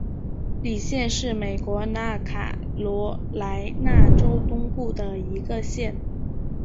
李县是美国南卡罗莱纳州东部的一个县。